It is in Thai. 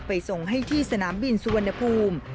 ส่งให้ที่สนามบินสุวรรณภูมิ